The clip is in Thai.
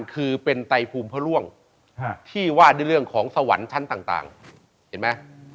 คือเป็นไตภูมิพระร่วงที่ว่าด้วยเรื่องของสวรรค์ชั้นต่างเห็นไหม